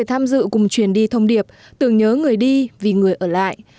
tự cùng truyền đi thông điệp tưởng nhớ người đi vì người ở lại